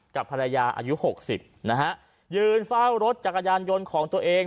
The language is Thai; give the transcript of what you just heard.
กับภรรยาอายุหกสิบนะฮะยืนเฝ้ารถจักรยานยนต์ของตัวเอง